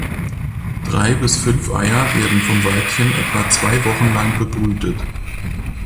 Drei bis fünf Eier werden vom Weibchen etwa zwei Wochen lang bebrütet.